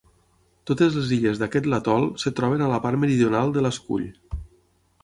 Totes les illes d'aquest l'atol es troben a la part meridional de l'escull.